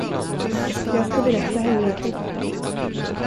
Jag ska berätta hemligheten för dig.